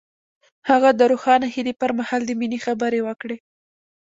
هغه د روښانه هیلې پر مهال د مینې خبرې وکړې.